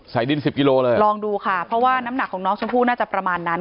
ดินสิบกิโลเลยลองดูค่ะเพราะว่าน้ำหนักของน้องชมพู่น่าจะประมาณนั้น